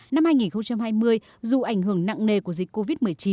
năm hai nghìn hai mươi dù ảnh hưởng nặng nề của dịch covid một mươi chín